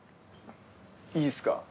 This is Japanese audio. いいすか？